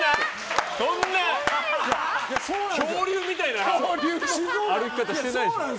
そんな恐竜みたいな歩き方してないでしょ。